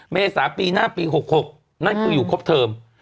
เมษาปีหน้าปี๖๖นั่นคืออยู่ครบเทอม